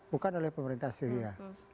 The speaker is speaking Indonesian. bukan oleh pemerintah syria